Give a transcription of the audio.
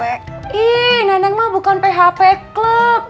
ii nenek mah bukan php club